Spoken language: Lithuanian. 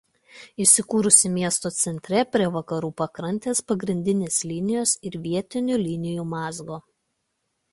Įsikūrusi miesto centre prie Vakarų Pakrantės pagrindinės linijos ir vietinių linijų mazgo.